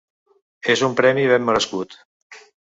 És un premi ben merescut.